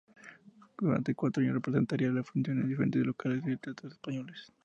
Durante cuatro años representaría la función en diferentes locales y teatros españoles.